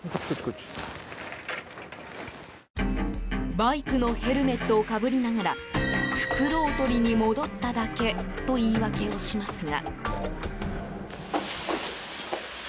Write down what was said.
バイクのヘルメットをかぶりながら袋を取りに戻っただけと言い訳をしますが。